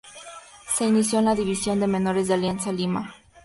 Se inició en la división de menores de Alianza Lima.